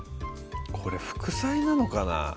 これ副菜なのかな？